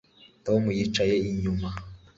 Tom yicaye inyuma